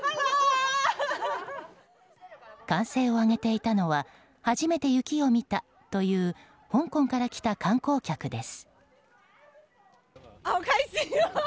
歓声を上げていたのは初めて雪を見たという香港から来た観光客です。